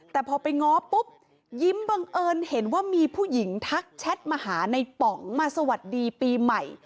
แต่พอไปง้อปุ๊บยิ้มบังเอิญเห็นว่ามีผู้หญิงทักแชทมาหาในป๋องมาสวัสดีปีใหม่